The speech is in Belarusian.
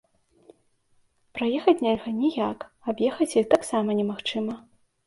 Праехаць нельга ніяк, аб'ехаць іх так сама немагчыма.